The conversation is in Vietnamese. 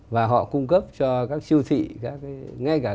và họ cung cấp cho các siêu thị ngay cả các chợ với các sản phẩm cp rất là ưu